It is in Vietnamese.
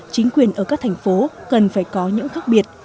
chính quyền ở các thành phố cần phải có những khác biệt